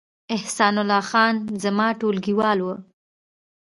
احسان الله خان زما ټولګیوال و